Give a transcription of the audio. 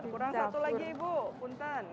kurang satu lagi ibu puntan